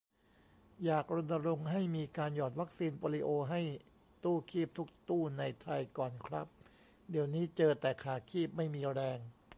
อยากรณรงค์ให้มีการหยอดวัคซีนโปลิโอให้ตู้คีบทุกตู้ในไทยก่อนครับ เดี๋ยวนี้เจอแต่ขาคีบไม่มีแรง